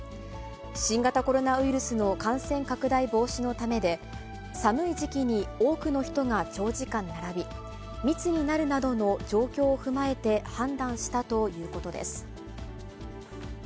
新型コロナウイルスの感染拡大防止のためで、寒い時期に多くの人が長時間並び、密になるなどの状況を踏まえて判断したということです。